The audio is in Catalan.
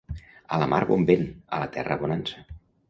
A la mar bon vent, a la terra bonança.